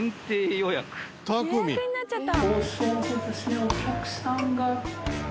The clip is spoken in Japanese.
予約になっちゃった。